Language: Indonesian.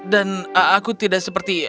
dan aku tidak seperti